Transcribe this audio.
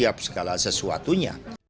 siap segala sesuatunya